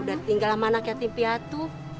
udah tinggal sama anak yatim piatu